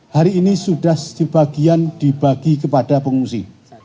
hari ini sudah sebagian dibagi kepada pengungsi